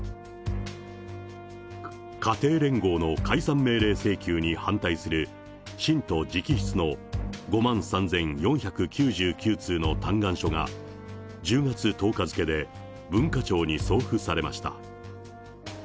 家庭連合の解散命令請求に反対する信徒直筆の５万３４９９通の嘆願書が、１０月１０日付で文化庁に送付されました。